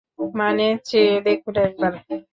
মানে, চেয়ে দেখুন একবার।